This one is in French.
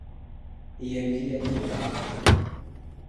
Et elle vit à nouveau.